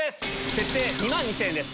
設定２万２０００円です